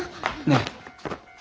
ねえ。